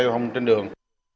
giao thông trên đường